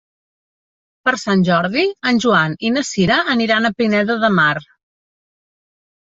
Per Sant Jordi en Joan i na Sira aniran a Pineda de Mar.